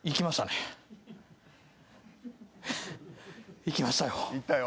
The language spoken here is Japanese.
いきましたよ。